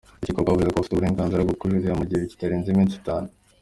Urukiko rwavuze ko bafite uburenganzira bwo kujurira mu gihe kitarenze iminsi itanu.